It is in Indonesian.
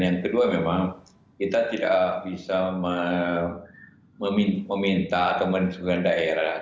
yang kedua memang kita tidak bisa meminta atau menunjukkan daerah